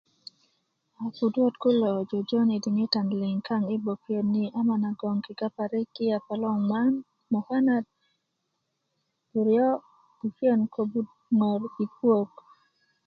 kuduwöt jöjön yi diŋitan liŋ kaŋ yi gbokeyot ni ama nagon kega parik yi yapa lo imman mukanat buryo bukiyen ŋor yi puwök